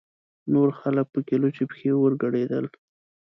نور خلک پکې لوڅې پښې ورګډېدل.